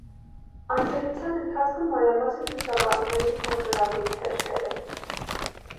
Այցելության ընթացքը մանրամասն լուսաբանում էին խոշորագույն թերթերը։